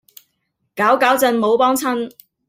攪攪震，冇幫襯